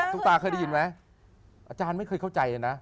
ุ๊กตาเคยได้ยินไหมอาจารย์ไม่เคยเข้าใจเลยนะ